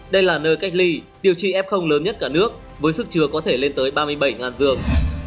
đây là nơi cách ly điều trị f lớn nhất cả nước với sức chứa có thể lên tới ba mươi bảy giường